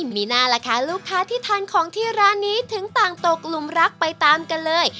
มีหน้าล่ะคะลูกค้าที่ทานของที่ร้านนี้ถึงต่างตกหลุมรักไปตามกันเลย